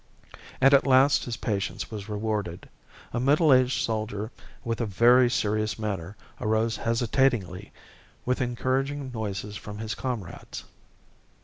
And at last his patience was rewarded. A middleaged soldier with a very serious manner arose hesitatingly, with encouraging noises from his comrades.